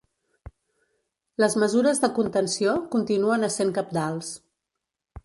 Les mesures de contenció continuen essent cabdals.